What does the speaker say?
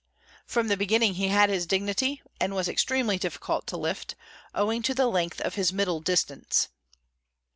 From the beginning he had his dignity, and was extremely difficult to lift, owing to the length of his middle distance.